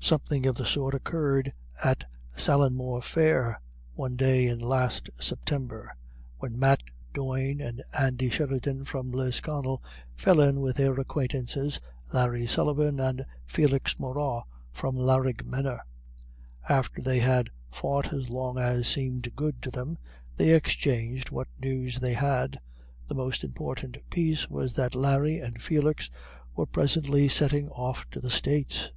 Something of the sort occurred at Sallenmore fair, one day in last September, when Matt Doyne and Andy Sheridan from Lisconnel fell in with their acquaintances, Larry Sullivan and Felix Morrough, from Laraghmena. After they had fought as long as seemed good to them, they exchanged what news they had. The most important piece was that Larry and Felix were presently setting off to the States.